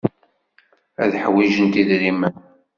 Ad ḥwijent idrimen.